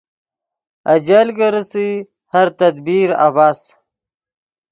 اجل کی ریسئے ہر تدبیر عبث